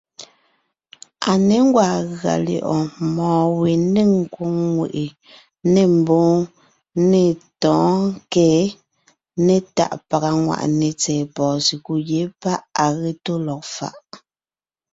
À ně gwàa gʉa lyɛ̌ʼɔɔn mɔ̌ɔn we nêŋ nkwòŋ ŋweʼe, nê mbwóon, nê tɔ̌ɔnkě né tàʼa pàga ŋwàʼne tsɛ̀ɛ pɔ̀ɔn sekúd yé páʼ à ge tó lɔg faʼ.